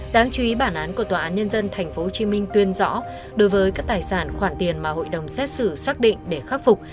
đáng chú ý bản án của tòa án nhân dân tp hcm tuyên rõ đối với các tài sản khoản tiền mà hội đồng xét xử xác định để khắc phục